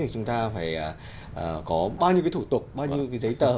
thì chúng ta phải có bao nhiêu cái thủ tục bao nhiêu cái giấy tờ